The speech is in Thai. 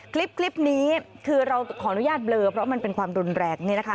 คลิปนี้คือเราขออนุญาตเบลอเพราะมันเป็นความรุนแรงนี่นะคะ